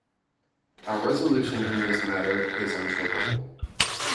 Our resolution in this matter is unshakable.